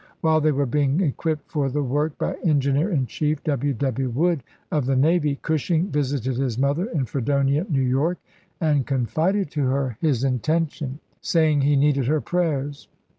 While they were being equipped for the work by Engineer in Chief W. W. Wood of the navy, Cushing visited his mother in Fredonia, N. Y., and confided to her his intention, saying he needed her prayers.